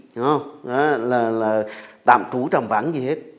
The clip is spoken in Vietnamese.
đó là tạm trú tạm vắng gì hết